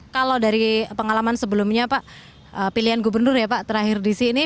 kalau dari pengalaman sebelumnya pak pilihan gubernur ya pak terakhir di sini